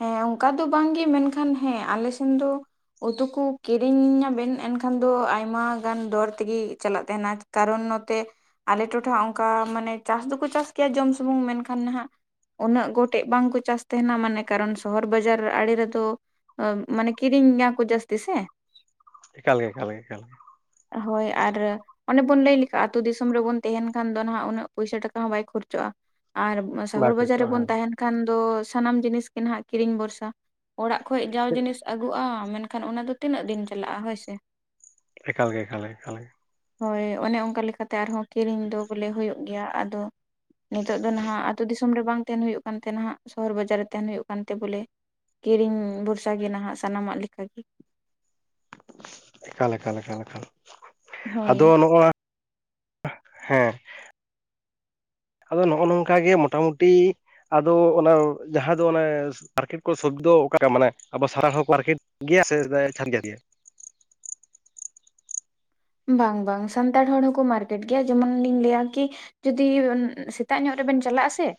Speaker 2: ᱦᱮᱸ ᱚᱱᱠᱟ ᱫᱚ ᱵᱟᱝ ᱜᱮ ᱢᱮᱱᱠᱷᱟᱱ ᱦᱮᱸ ᱟᱹᱞᱮ ᱥᱮᱱ ᱫᱚ ᱾ ᱩᱛᱩ ᱠᱚ ᱠᱤᱨᱤᱧ ᱟᱵᱮᱱ ᱮᱱᱠᱷᱟᱱ ᱫᱚ ᱟᱭᱢᱟ ᱜᱟᱱ ᱫᱚᱨ ᱛᱤᱜᱮ ᱪᱟᱞᱟᱜ ᱛᱟᱦᱮᱸᱱᱟ ᱾ ᱠᱟᱨᱚᱱ ᱱᱚᱛᱮ ᱟᱞᱮ ᱴᱚᱴᱷᱟ ᱚᱱᱠᱟ ᱢᱟᱱᱮ ᱪᱟᱥ ᱫᱚᱠᱚ ᱪᱟᱥ ᱜᱮᱭᱟ ᱡᱚᱢ ᱥᱩᱢᱩᱝ ᱢᱮᱱᱠᱷᱟᱱ ᱱᱟᱦᱟᱜ ᱾ ᱩᱱᱟᱹᱜ ᱜᱚᱴᱮᱜ ᱵᱟᱝ ᱠᱚ ᱪᱟᱥ ᱛᱟᱸᱦᱮᱱᱟ ᱢᱟᱱᱮ ᱾ ᱠᱟᱨᱚᱱ ᱥᱚᱦᱚᱨ ᱵᱟᱡᱟᱨ ᱟᱲᱮ ᱨᱮᱫᱚ ᱢᱟᱱᱮ ᱠᱤᱨᱤᱧᱟ ᱠᱚ ᱡᱟᱹᱥᱛᱤ ᱥᱮ ᱾
Speaker 1: ᱮᱠᱟᱞ ᱜᱮ ᱻᱮᱠᱟᱞ ᱜᱮᱻ ᱮᱠᱟᱞ ᱜᱮ ᱻ ᱾
Speaker 2: ᱦᱳᱭ ᱟᱨ ᱚᱱᱮ ᱵᱚᱱ ᱞᱟᱹᱭ ᱞᱮᱠᱟ ᱟᱹᱛᱩ ᱫᱤᱥᱚᱢ ᱨᱮ ᱵᱚᱱ ᱛᱟᱦᱮᱸᱱ ᱠᱷᱟᱱ ᱫᱚ ᱱᱟᱦᱚᱜ ᱩᱱᱟᱹᱜ ᱯᱩᱭᱥᱟ ᱴᱟᱠᱟ ᱦᱚᱸ ᱵᱟᱭ ᱠᱷᱚᱨᱪᱚᱜᱼᱟ ᱟᱨ ᱾
Speaker 1: ᱵᱟᱭ
Speaker 2: ᱥᱚᱦᱚᱨ ᱵᱟᱡᱟᱨ ᱨᱮ
Speaker 1: ᱠᱷᱚᱨᱪᱚᱜᱼᱟ
Speaker 2: ᱵᱚᱱ
Speaker 1: ᱦᱮᱸ
Speaker 2: ᱛᱟᱦᱮᱸᱱ ᱠᱷᱟᱱ ᱫᱚ ᱥᱟᱱᱟᱢ ᱡᱤᱱᱤᱥ ᱜᱮ ᱱᱟᱦᱚᱜ ᱠᱤᱨᱤᱧ ᱵᱚᱨᱥᱟ ᱾ ᱚᱲᱟᱜ ᱠᱷᱚᱡᱽ ᱡᱟᱣ ᱡᱤᱱᱤᱥ ᱟᱹᱜᱩᱜᱼᱟ ᱢᱮᱱᱠᱷᱟᱱ ᱚᱱᱟ ᱫᱚ ᱛᱤᱱᱟᱹᱜ ᱫᱤᱱ ᱪᱟᱞᱟᱜᱼᱟ ᱦᱳᱭ ᱥᱮ ᱾
Speaker 1: ᱮᱠᱟᱞ ᱜᱮ ᱻᱮᱠᱟᱞ ᱜᱮ ᱻᱮᱠᱟᱞ ᱜᱮᱻ ᱾
Speaker 2: ᱦᱳᱭ ᱚᱱᱮ ᱚᱱᱠᱟ ᱞᱮᱠᱟᱛᱮ ᱟᱨᱦᱚᱸ ᱠᱤᱨᱤᱧ ᱫᱚ ᱵᱚᱞᱮ ᱦᱩᱭᱩᱜ ᱜᱮᱭᱟ ᱟᱫᱚ? ᱱᱤᱛᱚᱜ ᱫᱚ ᱱᱟᱦᱟᱜ ᱟᱹᱛᱩ ᱫᱤᱥᱚᱢ ᱨᱮ ᱵᱟᱝ ᱛᱟᱦᱮᱸᱱ ᱦᱩᱭᱩᱜ ᱠᱟᱱ ᱛᱮ ᱦᱟᱸᱜ ᱥᱚᱦᱚᱨ ᱵᱟᱡᱟᱨ ᱨᱮ ᱛᱟᱦᱮᱸᱱ ᱦᱩᱭᱩᱜ ᱾ [unintelligible] ᱛᱮ ᱵᱚᱞᱮ ᱠᱤᱨᱤᱧ ᱵᱷᱚᱨᱥᱟ ᱜᱮ ᱱᱟᱦᱟᱜ ᱥᱟᱱᱟᱢᱟᱜ ᱞᱮᱠᱟ ᱜᱮ ᱾
Speaker 1: ᱮᱠᱟᱞ ᱻᱮᱠᱟᱞᱻ ᱮᱠᱟᱞᱻ ᱟᱫᱚ
Speaker 2: ᱦᱳᱭ᱾
Speaker 1: ᱱᱚᱜᱼᱟ ᱾ ᱦᱮᱸ ᱾ ᱟᱫᱚ ᱱᱚᱜᱼᱚᱸ ᱱᱚᱝᱠᱟ ᱜᱮ ᱢᱚᱴᱟᱢᱩᱴᱤ ᱾ ᱟᱫᱚ ᱚᱱᱟ ᱡᱟᱦᱟᱸ ᱫᱚ ᱚᱱᱮ ᱢᱟᱨᱠᱮᱴ ᱠᱚ ᱥᱚᱵ ᱫᱚ ᱚᱠᱟ ᱢᱟᱱᱮ ᱟᱵᱚ ᱥᱟᱨᱟ [unintelligible] ᱢᱟᱨᱠᱮᱴ ᱾ ᱜᱮᱭᱟ [unintelligible] [unintelligible] ᱾
Speaker 2: ᱵᱟᱝ ᱵᱟᱝ ᱥᱟᱱᱛᱟᱲ ᱦᱚᱲ ᱦᱚᱸᱠᱚ ᱢᱟᱨᱠᱮᱴ ᱜᱮᱭᱟ ᱡᱮᱢᱚᱱ ᱞᱤᱧ ᱞᱟᱹᱭᱟ ᱠᱤ ᱾ ᱡᱩᱫᱤ ᱥᱮᱛᱟᱜ ᱧᱚᱜ ᱨᱮᱵᱮᱱ ᱪᱟᱞᱟᱜᱼ ᱟ ᱥᱮ ᱾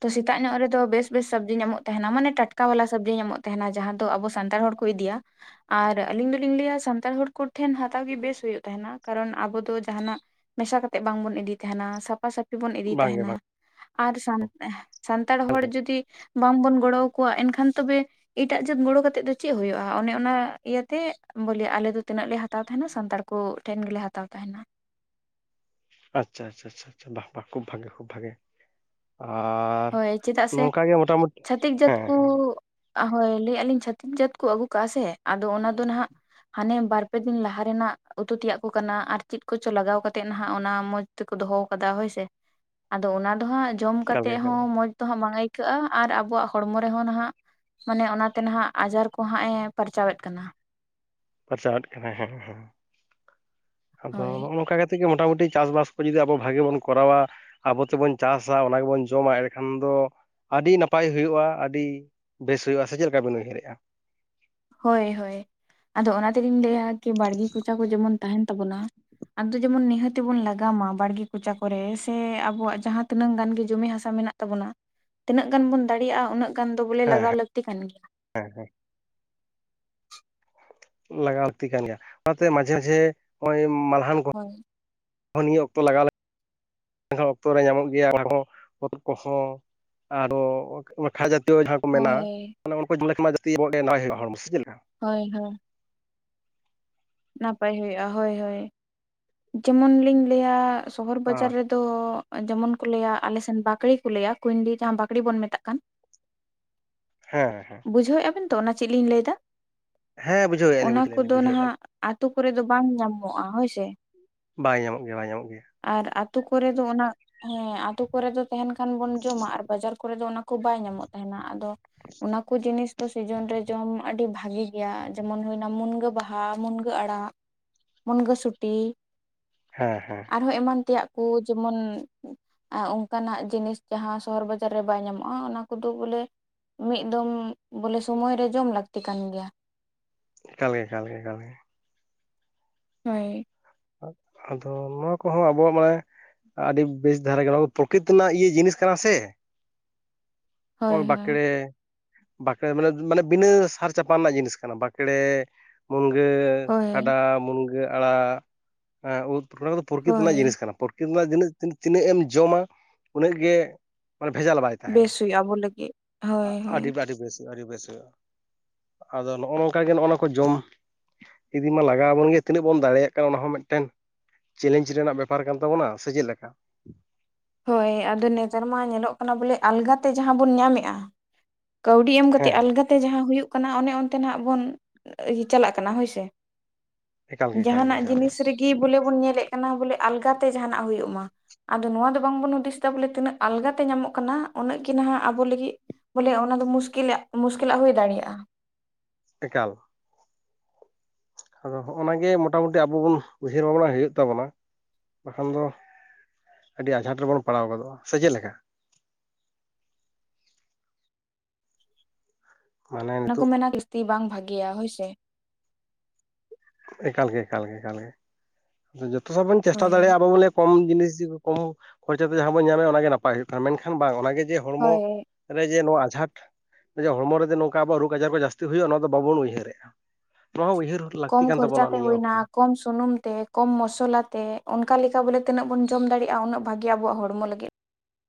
Speaker 2: ᱛᱚ ᱥᱮᱛᱟᱜ ᱧᱚᱜ ᱨᱮᱫᱚ ᱵᱮᱥ ᱵᱮᱥ ᱥᱚᱵᱽᱡᱤ ᱧᱟᱢᱚᱜ ᱛᱟᱦᱮᱱᱟ ᱢᱟᱱᱮ ᱴᱟᱴᱠᱟ ᱵᱟᱞᱟ ᱥᱚᱵᱽᱡᱤ ᱧᱟᱢᱚᱜ ᱛᱟᱦᱮᱱᱟ ᱡᱟᱦᱟᱸ ᱫᱚ ᱟᱵᱚ ᱥᱟᱱᱛᱟᱲ ᱦᱚᱲ ᱾ [unintelligible] ᱤᱫᱤᱭᱟ ᱟᱨ ᱟᱹᱞᱤᱧ ᱫᱚᱞᱤᱧ ᱞᱟᱹᱭᱟ ᱥᱟᱱᱛᱟᱲ ᱦᱚᱲ ᱠᱚᱴᱷᱮᱱ ᱦᱟᱛᱟᱣ ᱜᱮ ᱵᱮᱥ ᱦᱩᱭᱩᱜ [unintelligible] ᱾ ᱛᱟᱦᱮᱸᱱᱟ ᱠᱟᱨᱚᱱ ᱟᱵᱚ ᱫᱚ ᱡᱟᱦᱟᱸᱱᱟᱜ ᱢᱮᱥᱟ ᱠᱟᱛᱮ ᱵᱟᱝᱵᱚᱱ ᱤᱫᱤ ᱛᱟᱦᱮᱸᱱᱟ ᱥᱟᱯᱷᱟ ᱥᱟᱹᱯ [unintelligible] ᱾ ᱵᱚᱱ ᱤᱫᱤ
Speaker 1: ᱵᱟᱝᱜᱮ
Speaker 2: ᱛᱟᱦᱮᱸᱱᱟ
Speaker 1: ᱵᱟᱝ
Speaker 2: ᱟᱨ ᱥᱟᱱ [unintelligible] ᱥᱟᱱᱛᱟᱲ ᱦᱚᱲ ᱡᱩᱫᱤ ᱾ ᱵᱟᱝ ᱵᱚᱱ ᱜᱚᱲᱚ ᱟᱠᱚᱣᱟ ᱮᱱ ᱠᱷᱟᱱ ᱛᱚ ᱵᱮ ᱾ ᱮᱴᱟᱜ ᱡᱟᱹᱛ ᱜᱚᱲᱚ ᱠᱟᱛᱮᱜ ᱫᱚ ᱪᱮᱜ ᱦᱩᱭᱩᱜᱼᱟ ᱚᱱᱮ ᱚᱱᱟ ᱤᱭᱟᱹᱛᱮ ᱵᱚᱞᱮ ᱟᱞᱮ ᱫᱚ ᱛᱤᱱᱟᱹᱜ ᱞᱮ ᱦᱟᱛᱟᱣ ᱛᱟᱦᱮᱸᱱᱟ ᱥᱟᱱᱛᱟᱲ [unintelligible] ᱾ [unintelligible] ᱴᱷᱮᱱ ᱜᱮᱞᱮ ᱦᱟᱛᱟᱣ ᱛᱟᱸᱦᱮᱱᱟ ᱾
Speaker 1: ᱟᱪᱷᱟ ᱟᱪᱷᱟ ᱪᱷᱟᱪᱷᱟ ᱠᱷᱩᱵ ᱵᱷᱟᱜᱮ ᱠᱷᱩᱵ ᱵᱷᱟᱜᱮ [unintelligible]
Speaker 2: ᱦᱳᱭ ᱪᱮᱫᱟᱜ ᱥᱮ
Speaker 1: ᱱᱚᱝᱠᱟ ᱜᱮ ᱢᱚᱴᱟᱢᱩᱴᱤ
Speaker 2: ᱪᱷᱟᱛᱤᱠ ᱡᱟᱹᱛ
Speaker 1: ᱦᱮᱸ
Speaker 2: ᱠᱩᱻ
Speaker 1: ᱦᱮᱸ
Speaker 2: ᱦᱳᱭ ᱞᱟᱹᱭᱮᱜ-ᱟ ᱞᱤᱧ ᱪᱷᱟᱹᱛᱤᱠ ᱡᱟᱹᱛ ᱠᱚ ᱟᱹᱜᱩ ᱠᱟᱜ-ᱟ ᱥᱮ ᱟᱫᱚ ᱚᱱᱟ ᱫᱚ ᱱᱟᱦᱱᱟᱜ ᱦᱟᱱᱮ ᱵᱟᱨ ᱯᱮ ᱫᱤᱱ ᱞᱟᱦᱟ ᱨᱮᱱᱟᱜ ᱩᱛᱩ ᱛᱮᱭᱟᱜ ᱠᱚ ᱠᱟᱱᱟ ᱟᱨ ᱪᱮᱫ ᱠᱚᱪᱚ ᱞᱟᱜᱟᱣ ᱠᱟᱛᱮᱜ ᱱᱟᱦᱟᱜ ᱚᱱᱟ ᱢᱚᱸᱡᱽ [unintelligible] ᱛᱮᱠᱚ ᱫᱚᱦᱚ ᱟᱠᱟᱫᱟ ᱦᱳᱭᱥᱮ ᱟᱫᱚ ᱚᱱᱟ ᱫᱚ ᱦᱟᱸᱜ ᱡᱚᱢ
Speaker 1: ᱮᱠᱟᱞ
Speaker 2: ᱠᱟᱛᱮ
Speaker 1: ᱜᱮ ᱮᱠᱟᱞ
Speaker 2: ᱦᱚᱸ
Speaker 1: ᱜᱮ
Speaker 2: ᱢᱚᱡᱽ ᱫᱚ ᱦᱟᱸᱜ ᱵᱟᱝ ᱟᱹᱭᱠᱟᱹᱜ-ᱟ ᱟᱨ ᱟᱵᱚᱣᱟᱜ ᱦᱚᱲᱢᱚ ᱨᱮᱦᱚᱸ ᱱᱷᱟᱸᱜ ᱢᱟᱱᱮ ᱚᱱᱟᱛᱮ ᱱᱟᱦᱟᱜ ᱟᱡᱟᱨ ᱠᱚᱦᱟᱸᱜ ᱮ ᱯᱟᱨᱪᱟᱣᱮᱫ ᱠᱟᱱᱟ
Speaker 1: ᱯᱟᱨᱪᱟᱣᱮᱫ ᱠᱟᱱᱟᱭ ᱦᱮᱸ ᱦᱮᱸ ᱟᱫᱚ
Speaker 2: ᱦᱳᱭ
Speaker 1: ᱱᱚᱜ-ᱚ ᱱᱚᱝᱠᱟ [unintelligible] [inaudible] [unintelligible] ᱢᱚᱴᱟᱩᱴᱤ ᱪᱟᱥᱵᱟᱥ ᱠᱚ ᱡᱩᱫᱤ ᱟᱵᱚ ᱵᱷᱟᱜᱮ ᱵᱚᱱ ᱠᱚᱨᱟᱣᱟ [unintelligible] ᱾ ᱟᱵᱚ ᱛᱮᱵᱚᱱ ᱪᱟᱥᱟ ᱚᱱᱟ ᱜᱮᱵᱚᱱ ᱡᱚᱢᱟ [unintelligible] ᱠᱷᱟᱱ ᱫᱚ ᱟᱹᱰᱤ ᱱᱟᱯᱟᱭ ᱦᱩᱭᱩᱜ-ᱟ ᱟᱹᱰᱤ ᱵᱮᱥ ᱦᱩᱭᱩᱜ-ᱟ ᱥᱮ ᱪᱮᱜ ᱞᱮᱠᱟ ᱵᱮᱱ ᱩᱭᱦᱟᱹᱨᱮᱜ-ᱟ
Speaker 2: ᱦᱳᱭ ᱦᱳᱭ ᱟᱫᱚ ᱚᱱᱟ ᱛᱮᱞᱤᱧ ᱞᱟᱹᱭᱟ ᱠᱤ ᱵᱟᱲᱜᱮ ᱠᱚᱪᱟ ᱠᱚ ᱡᱮᱢᱚᱱ ᱛᱟᱦᱮᱸᱱ ᱛᱟᱵᱚᱱᱟ ᱟᱫᱚ ᱡᱮᱢᱚᱱ ᱱᱤᱦᱟᱹᱛᱤ ᱵᱚᱱ ᱞᱟᱜᱟᱣ ᱢᱟ ᱵᱟᱲᱜᱮ ᱠᱚᱪᱟ ᱠᱚᱨᱮ ᱥᱮ ᱟᱵᱚᱣᱟᱜ ᱡᱟᱦᱟᱸ ᱛᱤᱱᱟᱹᱜ ᱜᱟᱱ ᱜᱮ ᱡᱚᱢᱤ ᱦᱟᱥᱟ ᱢᱮᱱᱟᱜ [unintelligible] [unintelligible] ᱛᱤᱱᱟᱹᱜ ᱜᱟᱱ ᱵᱚᱱ ᱫᱟᱲᱮᱭᱟᱜ-ᱟ ᱩᱱᱟᱹᱜ ᱜᱟᱱ ᱫᱚ ᱵᱚᱞᱮ ᱞᱟᱜᱟᱣ ᱞᱟᱹᱠᱛᱤ ᱠᱟᱱ ᱜᱮᱭᱟ
Speaker 1: ᱦᱮᱸ ᱦᱮᱸ ᱞᱟᱜᱟᱣ ᱞᱟᱹᱠᱛᱤ ᱠᱟᱱ ᱜᱮᱭᱟ ᱚᱱᱟᱛᱮ ᱢᱟᱡᱷᱮ ᱢᱟᱡᱷᱮ ᱚᱸᱜ-ᱚᱭ ᱢᱟᱞᱦᱟᱱ
Speaker 2: ᱦᱳᱭ
Speaker 1: ᱚ ᱱᱤᱭᱟ. ᱚᱠᱛᱚ ᱞᱟᱜᱟᱣ ᱞᱮ..... ᱮᱱᱦᱚ ᱚᱠᱛᱚ ᱨᱮ ᱧᱟᱢᱚᱜ ᱜᱮᱭᱟ ᱟᱨᱦᱚᱸ ᱦᱚᱛ ᱠᱚᱦᱚᱸ ᱟᱨᱚ ᱠᱷᱟᱡᱟ ᱡᱟᱦᱟᱸ ᱠᱚ ᱢᱮᱱᱟ
Speaker 2: ᱦᱳᱭ
Speaker 1: ᱩᱱ ᱠᱚ ᱡᱮᱞ ᱞᱮᱠᱷᱟᱱ ᱡᱟᱛᱮᱰᱮ ᱱᱟᱣᱟᱭ ᱦᱩᱭᱩᱜ-ᱟ ᱦᱚᱲᱢᱚ ᱥᱮ ᱪᱮᱫ ᱞᱮᱠᱟ
Speaker 2: ᱦᱳᱭ ᱦᱳᱭ ᱱᱟᱯᱟᱭ ᱦᱩᱭᱩᱜ-ᱟ ᱦᱳᱭ ᱦᱳᱭ ᱡᱮᱢᱚᱱ ᱞᱤᱧ ᱞᱟᱹᱭᱟ ᱥᱚᱦᱚᱨ ᱵᱟᱡᱟᱨ ᱨᱮᱫᱚ ᱛᱚ ᱡᱮᱢᱚᱱ ᱠᱚ ᱞᱟᱹᱭᱟ ᱟᱞᱮᱥᱱ ᱵᱟᱠᱲᱮ ᱠᱚ ᱞᱟᱹᱭᱟ ᱠᱩᱭᱤᱱᱰᱤ ᱡᱟᱦᱟᱸ ᱵᱟᱠᱲᱮ ᱵᱚᱱ ᱢᱮᱛᱟᱜ ᱠᱟᱱ
Speaker 1: ᱦᱮᱸ ᱦᱮᱸ
Speaker 2: ᱵᱩᱡᱷᱟᱹᱣᱮᱫ-ᱟ ᱵᱮᱱ ᱛᱚ ᱚᱱᱟ ᱪᱮᱫ ᱞᱤᱧ ᱞᱟᱹᱭ ᱮᱫᱟ
Speaker 1: ᱦᱮᱸ ᱵᱩᱡᱷᱟᱹᱣᱮᱫᱼᱟ ᱞᱤᱧ
Speaker 2: ᱚᱱᱟ
Speaker 1: ᱵᱩᱡᱷᱟᱹᱣᱮᱫᱼᱟ ᱞᱤᱧ
Speaker 2: ᱠᱚᱫᱚ
Speaker 1: ᱵᱩᱡᱷᱟᱹᱣᱮᱫᱼᱟ
Speaker 2: ᱱᱟᱦᱟᱜ ᱵᱩ.. ᱟᱛᱳ ᱠᱚᱨᱮ ᱫᱚ ᱵᱟᱝ ᱧᱟᱢᱚᱜ-ᱟ ᱦᱳᱭ ᱥᱮ
Speaker 1: ᱵᱟᱭ ᱧᱟᱢᱚᱜ ᱜᱮᱭᱟ ᱵᱟᱭ ᱧᱟᱢᱚᱜ ᱜᱮᱭᱟ
Speaker 2: ᱟᱨ ᱟᱛᱩ ᱠᱚᱨᱮ ᱫᱚ ᱚᱱᱟ ᱦᱮᱸ ᱟᱛᱩ ᱠᱚᱨᱮ ᱫᱚ ᱛᱟᱦᱮᱱ ᱠᱷᱟᱱ ᱵᱚᱱ ᱡᱚᱢᱟ ᱟᱨ ᱵᱟᱡᱟᱨ ᱠᱚᱨᱮ ᱫᱚ ᱚᱱᱟ ᱠᱩ ᱵᱟᱭ ᱧᱟᱢᱚᱜ ᱛᱟᱦᱮᱱᱟ ᱟᱫᱚ ᱚᱱᱟ ᱠᱩ ᱡᱤᱱᱤᱥ ᱫᱚ ᱥᱤᱡᱚᱱ ᱨᱮ ᱡᱚᱢ ᱟᱹᱰᱤ ᱵᱷᱟᱜᱮ ᱜᱮᱭᱟ ᱡᱮᱢᱚᱱ ᱦᱩᱭᱱᱟ ᱢᱩᱱᱜᱟᱹ ᱵᱟᱦᱟ ᱵᱟᱦᱟ ᱢᱩᱱᱜᱟᱹ ᱟᱲᱟᱜ ᱢᱩᱱᱜᱟᱹ ᱥᱩᱴᱤ
Speaker 1: ᱦᱮᱸ ᱦᱮᱸ
Speaker 2: ᱟᱨᱦᱚᱸ ᱮᱢᱟᱱ ᱛᱮᱭᱟᱜ ᱠᱚ ᱡᱮᱢᱚᱱ ᱟ ᱚᱱᱠᱟᱱᱟᱜ ᱡᱤᱱᱤᱥ ᱡᱟᱦᱟᱸ ᱥᱚᱦᱚᱨ ᱵᱟᱡᱟᱨ ᱨᱮ ᱵᱟᱭ ᱧᱟᱢᱚᱜ-ᱟ ᱚᱱᱟ ᱠᱚᱫᱚ ᱵᱚᱞᱮ ᱢᱤᱫ ᱫᱚᱢ ᱵᱚᱞᱮ ᱥᱚᱢᱚᱭ ᱨᱮ ᱡᱚᱢ ᱞᱟᱹᱠᱛᱤ ᱠᱟᱱ ᱜᱮᱭᱟ
Speaker 1: ᱮᱠᱟᱞ ᱜᱮ ᱮᱠᱟᱞ ᱜᱮ ᱮᱠᱟᱞ ᱜᱮ
Speaker 2: ᱦᱳᱭ
Speaker 1: ᱟ... ᱟᱫᱚ ᱱᱚᱣᱟ ᱠᱚᱦᱚᱸ ᱟᱵᱚᱣᱟᱜ ᱢᱟᱱᱮ ᱟᱹᱰᱤ ᱵᱮᱥ ᱫᱷᱟᱨᱟ ᱠᱟᱱᱟ ᱯᱨᱚᱠᱤᱛᱤ ᱨᱮᱱᱟᱜ ᱤᱭᱟᱹ ᱡᱤᱱᱤᱥ ᱠᱟᱱᱟ ᱥᱮ
Speaker 2: ᱦᱳᱭ
Speaker 1: ᱱᱚᱜ
Speaker 2: ᱦᱳᱭ
Speaker 1: ᱵᱟᱸᱠᱮᱲᱮ ᱵᱟᱸᱠᱲᱮ ᱢᱟᱱᱮ ᱢᱟᱱᱮ ᱵᱤᱱᱟᱹ ᱥᱟᱨ ᱪᱟᱯᱟᱱ ᱨᱮᱱᱟᱜ ᱡᱤᱱᱤᱥ ᱠᱟᱱᱟ ᱵᱟᱸᱠᱲᱮ ᱢᱩᱱᱜᱟᱹ
Speaker 2: ᱦᱳᱭ
Speaker 1: ᱠᱷᱟᱰᱟ ᱢᱩᱱᱜᱟᱹ ᱟᱲᱟᱜ ᱩᱫ ᱠᱚᱫᱚ ᱯᱨᱚᱠᱤᱛᱤ ᱨᱮᱱᱟᱜ
Speaker 2: ᱦᱳᱭ
Speaker 1: ᱡᱤᱱᱤᱥ ᱠᱟᱱᱟ ᱯᱨᱚᱠᱤᱛᱤ ᱨᱮᱱᱟᱜ ᱛᱤᱱᱟᱹᱜ ᱮᱢ ᱡᱚᱢᱟ ᱩᱱᱟᱹᱜ ᱜᱮ ᱢᱟᱱᱮ ᱵᱷᱮᱡᱟᱞ ᱵᱟᱭ ᱛᱟᱦᱮᱱᱟ
Speaker 2: [unintelligible] ᱟᱵᱚ ᱞᱟ. ᱜᱤᱫ
Speaker 1: ᱟᱹᱰᱤ ᱟᱹᱰᱤ ᱵᱮᱥ ᱦᱩᱭᱩᱜ-ᱟ ᱟᱹᱰᱤ ᱵᱮᱥ ᱦᱩᱭᱩᱜ-ᱟ ᱟᱫᱚ ᱱᱚᱜ-ᱚ ᱱᱚᱝᱠᱟᱜ ᱜᱮ ᱱᱚᱜ-ᱚ ᱱᱚᱣᱟ ᱠᱚ ᱡᱚᱢ ᱤᱫᱤ ᱢᱟ ᱞᱟᱜᱟᱣ ᱟᱵᱚᱱ ᱜᱮᱭᱟ ᱛᱤᱱᱟᱹᱜ ᱵᱚᱱ ᱫᱟᱲᱮᱭᱟᱜ ᱠᱟᱱᱟ ᱚᱱᱟ ᱦᱚᱸ ᱢᱤᱫᱴᱮᱱ ᱪᱮᱞᱮᱱᱡᱽ ᱨᱮᱱᱟᱜ ᱵᱮᱯᱟᱨ ᱠᱟᱱ ᱛᱟᱵᱚᱱᱟ ᱥᱮ ᱪᱮᱫ ᱞᱮᱠᱟ
Speaker 2: ᱦᱚᱭ ᱟᱫᱚ ᱱᱮᱛᱟᱨ ᱢᱟ ᱧᱮᱞᱚᱜ ᱠᱟᱱᱟ ᱵᱚᱞᱮ ᱟᱞᱜᱟᱛᱮ ᱡᱟᱦᱟᱸ ᱵᱚᱱ ᱧᱟᱢᱮᱫ-ᱟ ᱠᱟᱹᱣᱰᱤ ᱮᱢ ᱠᱟᱛᱮ
Speaker 1: ᱦᱮᱸ
Speaker 2: ᱟᱞᱜᱟᱛᱮ ᱡᱟᱦᱟᱸ ᱦᱩᱭᱩᱜ ᱠᱟᱱᱟ ᱚᱱᱮ ᱚᱱᱛᱮ ᱵᱚᱱ ᱪᱟᱞᱟᱜ ᱠᱟᱱᱟ ᱦᱳᱭ ᱥᱮ
Speaker 1: ᱮᱠᱟᱞ ᱜᱮ ᱮᱠᱟᱞ ᱜᱮ
Speaker 2: ᱡᱟᱦᱟᱱᱟᱜ
Speaker 1: ᱮᱠᱟᱞ ᱜᱮ
Speaker 2: ᱡᱤᱱᱤᱥ ᱨᱮᱜᱮ ᱜᱤ ᱵᱚᱞᱮ ᱵᱚᱱ ᱧᱮᱞᱮᱫ ᱠᱟᱱᱟ ᱟᱞᱜᱟᱛᱮ ᱡᱟᱦᱱᱟᱜ ᱦᱩᱭᱩᱜ ᱢᱟ ᱟᱫᱚ ᱱᱚᱣᱟ ᱵᱟᱝᱵᱚᱱ ᱦᱩᱫᱤᱥ ᱫᱟ ᱵᱚᱞᱮ ᱛᱤᱱᱟᱹᱜ ᱟᱞᱜᱟᱛᱮ ᱧᱟᱢᱚᱜ ᱠᱟᱱᱟ ᱩᱱᱟᱹᱜ ᱜᱮ ᱱᱟᱦᱟᱜ ᱟᱵᱚ ᱞᱟᱹᱜᱤᱫ ᱵᱟ.... ᱵᱚᱞᱮ ᱚᱱᱟ ᱫᱚ ᱢᱩᱥᱠᱤᱞᱮᱜ ᱢᱩᱥᱠᱤᱞᱟᱜ ᱦᱩᱭ ᱫᱟᱲᱮᱭᱟᱜᱼᱟ᱾
Speaker 1: ᱮᱠᱟᱞ ᱟᱫᱚ ᱦᱚᱸᱜᱼᱱᱟ ᱜᱮ ᱢᱚᱴᱟᱢᱩᱴᱤ ᱟᱵᱚ ᱵᱚᱱ ᱩᱭᱦᱟᱹᱨ ᱵᱷᱟᱵᱟᱱᱟ ᱦᱩᱭᱩᱜ ᱛᱟᱵᱚᱱᱟ ᱵᱟᱠᱷᱟᱱ ᱫᱚ ᱟᱹᱰᱤ ᱟᱸᱡᱷᱟᱸᱴ ᱨᱮᱵᱚᱱ ᱯᱟᱲᱟᱣ ᱜᱚᱫᱚᱜᱼᱟ ᱥᱮ ᱪᱮᱫ ᱞᱮᱠᱟ ᱢᱟᱱᱮ
Speaker 2: ᱚᱱᱟ ᱠᱚ
Speaker 1: ᱱᱤᱛᱚᱜ
Speaker 2: ᱢᱮᱱᱟ ᱡᱟᱹᱥᱛᱤ ᱵᱟᱝ ᱵᱷᱟᱜᱮᱭᱟ ᱦᱳᱭ ᱥᱮ
Speaker 1: ᱮᱠᱟᱞ ᱜᱮ ᱮᱠᱟᱞ ᱜᱮ ᱮᱠᱟᱞ ᱜᱮ ᱡᱚᱛᱚ ᱥᱟ ᱵᱚᱱ ᱪᱮᱥᱴᱟ
Speaker 2: ᱦᱳᱭ
Speaker 1: ᱫᱟᱲᱮᱭᱟᱜᱼᱟ ᱟᱵᱚ ᱵᱚᱞᱮ ᱠᱚᱢ ᱡᱤᱱᱤᱥ ᱠᱚᱢ ᱠᱷᱚᱨᱪᱟ ᱛᱮ ᱡᱟᱦᱟᱸ ᱵᱚᱱ ᱧᱟᱢᱮᱫ ᱚ ᱜᱮ ᱱᱟᱯᱟᱭ ᱦᱩᱭᱩᱜ ᱠᱟᱱᱟ ᱢᱮᱱᱠᱷᱟᱱ ᱵᱟᱝ ᱚᱱᱟᱜᱮ ᱡᱮ ᱦᱚᱲᱢᱚ
Speaker 2: ᱦᱳᱭ
Speaker 1: ᱨᱮ ᱡᱮ ᱱᱚᱣᱟ ᱟᱡᱷᱟᱴ ᱦᱚᱲᱢᱚ ᱨᱮᱫᱚ ᱱᱚᱝᱠᱟ ᱟᱵᱚᱣᱟᱜ ᱨᱳᱜᱽ ᱟᱡᱟᱨ ᱠᱚ ᱡᱟᱹᱥᱛᱤ ᱦᱩᱭᱩᱜ-ᱟ ᱚᱱᱟ ᱫᱚ ᱵᱟᱵᱚᱱ ᱩᱭᱦᱟᱹᱨᱮᱜ-ᱟ ᱱᱚᱣᱟ ᱦᱚ ᱩᱭᱦᱟᱹᱨ
Speaker 2: ᱠᱚᱢ ᱠᱷᱚᱨᱪᱟ ᱛᱮ
Speaker 1: ᱚᱠᱛᱚ
Speaker 2: ᱦᱩᱭᱱᱟ ᱠᱚᱢ ᱥᱩᱱᱩᱢ ᱛᱮ ᱠᱚᱢ ᱢᱚᱥᱚᱞᱟ ᱛᱮ ᱚᱱᱠᱟ ᱞᱮᱠᱟ ᱵᱚᱞᱮ ᱛᱤᱱᱟᱹᱜ ᱵᱚᱱ ᱡᱚᱢ ᱫᱟᱲᱮᱭᱟᱜᱼᱟ ᱩᱱᱟᱹᱜ ᱵᱷᱟᱜᱤ ᱟᱵᱚᱣᱟᱜ ᱦᱚᱲᱢᱚ ᱞᱟᱹᱜᱤᱫ ᱛᱮ